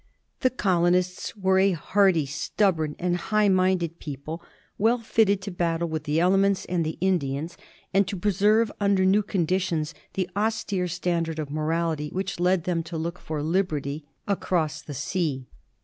The colonists were a hardy, a stub born, and a high minded people, well fitted to battle with the elements and the Indians, and to preserve, under new conditions, the austere standard of morality which led them to look for liberty across the sea.